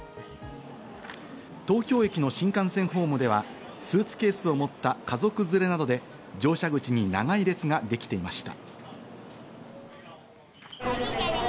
東京駅の新幹線ホームではスーツケースを持った家族連れなどで乗車口に長い列ができていました。